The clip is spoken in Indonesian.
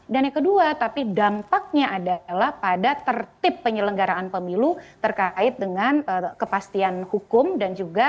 dan yang kedua tapi dampaknya adalah pada tertib penyelenggaraan pemilu terkait dengan kepastian hukum dan juga